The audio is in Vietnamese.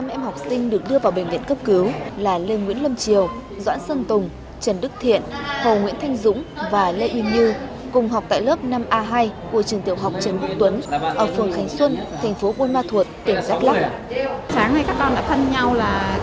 năm em học sinh được đưa vào bệnh viện cấp cứu là lê nguyễn lâm triều doãn sơn tùng trần đức thiện hồ nguyễn thanh dũng và lê y như cùng học tại lớp năm a hai của trường tiểu học trần quốc tuấn ở phường khánh xuân thành phố buôn ma thuột tỉnh đắk lắc